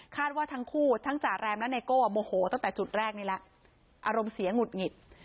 ว่าทั้งคู่ทั้งจ่าแรมและไนโก้โมโหตั้งแต่จุดแรกนี่แหละอารมณ์เสียหงุดหงิด